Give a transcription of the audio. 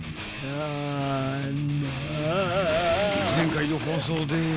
［前回の放送では］